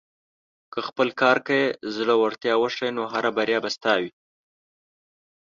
که په خپل کار کې زړۀ ورتیا وښیې، نو هره بریا به ستا وي.